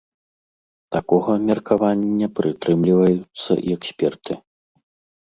Такога меркавання прытрымліваюцца і эксперты.